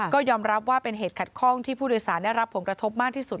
ก็ยอมรับว่าเป็นเหตุขัดข้องที่ผู้โดยสารได้รับผลกระทบมากที่สุด